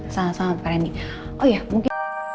sama sama pak remi